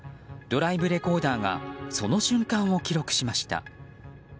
ドライブレコーダーがその瞬間を記録しました。